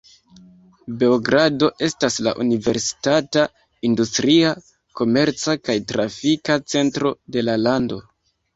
Beogrado estas la universitata, industria, komerca kaj trafika centro de la lando.